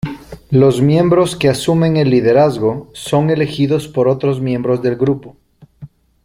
Los miembros que asumen el liderazgo son elegidos por los otros miembros del grupo.